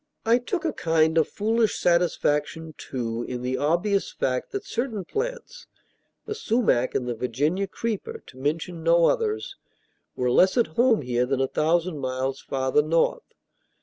I took a kind of foolish satisfaction, too, in the obvious fact that certain plants the sumach and the Virginia creeper, to mention no others were less at home here than a thousand miles farther north.